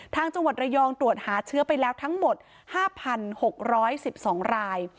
จังหวัดระยองตรวจหาเชื้อไปแล้วทั้งหมด๕๖๑๒ราย